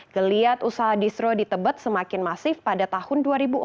geliat usaha distro di tebet semakin masif pada tahun dua ribu empat